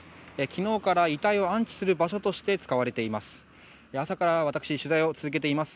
昨日から遺体を安置する場所として使われています。